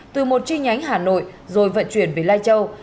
từ một chi nhánh hà nội rồi vận chuyển về lai châu